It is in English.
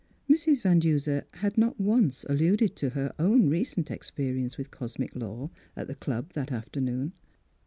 Mrs. Van Duser had not once alluded to her own recent experience with Cosmic Law, at the Club that afternoon.